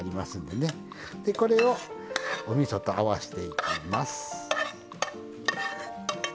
でこれをおみそと合わしていきます。